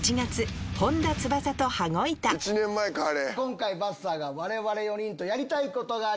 今回ばっさーが我々４人とやりたいことがあります。